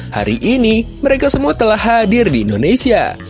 hari ini mereka semua telah hadir di indonesia